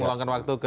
ulangkan waktu ke